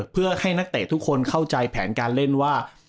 เพื่อให้นักเตะทุกคนเข้าใจแผนการเล่นว่า